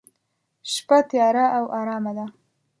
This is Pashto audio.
شپه تیاره او ارامه ده.